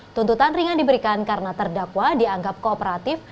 tuntutan ringan diberikan karena terdakwa dianggap kooperatif